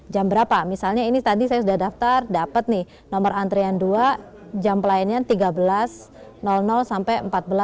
jam berapa misalnya ini tadi saya sudah daftar dapat nih nomor antrian dua jam pelayanannya tiga belas sampai empat belas